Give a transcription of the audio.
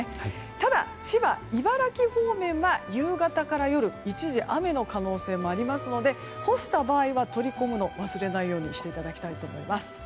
ただ、千葉や茨城方面は夕方から夜一時、雨の可能性もありますので干した場合は取り込むのを忘れないようにしていただきたいと思います。